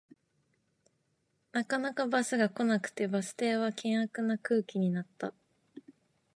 なかなかバスが来なくてバス停は険悪な空気になった